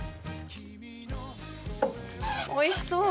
おいしそう。